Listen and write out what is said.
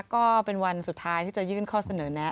ก็เป็นวันสุดท้ายที่จะยื่นข้อเสนอแล้ว